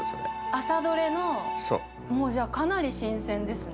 朝取れの、もうじゃ、かなり新鮮ですね。